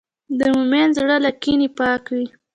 د مؤمن زړه له کینې پاک وي.